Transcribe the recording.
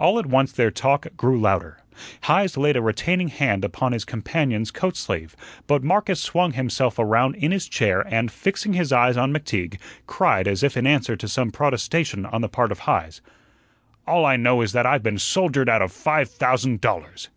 All at once their talk grew louder. Heise laid a retaining hand upon his companion's coat sleeve, but Marcus swung himself around in his chair, and, fixing his eyes on McTeague, cried as if in answer to some protestation on the part of Heise: "All I know is that I've been soldiered out of five thousand dollars."